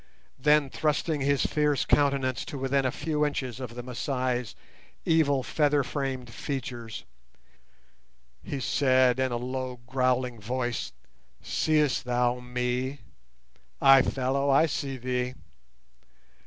Then, thrusting his fierce countenance to within a few inches of the Masai's evil feather framed features, he said in a low growling voice:— "Seest thou me?" "Ay, fellow, I see thee."